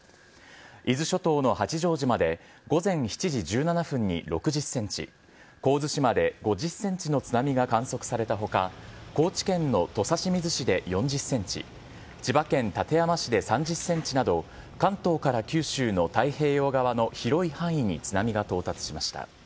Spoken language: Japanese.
伊豆諸島の八丈島で午前７時１７分に６０センチ、神津島で５０センチの津波が観測されたほか、高知県の土佐清水市で４０センチ、千葉県館山市で３０センチなど、関東から九州の太平洋側の広い範囲に津波が到達しました。